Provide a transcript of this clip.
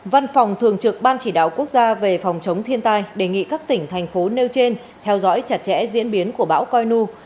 văn phòng thường trực ban chỉ đạo quốc gia về phòng chống thiên tai đề nghị các tỉnh thành phố nêu trên theo dõi chặt chẽ diễn biến của bão coi nu